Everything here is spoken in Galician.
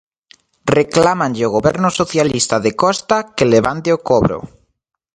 Reclámanlle ao Goberno socialista de Costa que levante o cobro.